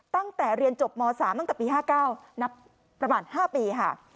ตั้งแต่เรียนจบม๓ตั้งแต่ปี๕๙นับประมาณ๕ปีค่ะ